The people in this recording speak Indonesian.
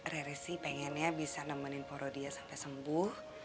rere sih pengennya bisa nemenin poro dia sampai sembuh